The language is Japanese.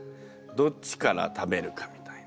どっちから食べるかみたいな。